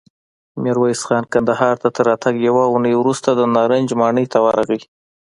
ميرويس خان کندهار ته تر راتګ يوه اوونۍ وروسته د نارنج ماڼۍ ته ورغی.